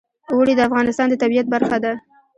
اوړي د افغانستان د طبیعت برخه ده.